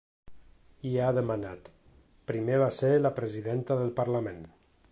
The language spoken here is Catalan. I ha demanat: Primer va ser la presidenta del parlament.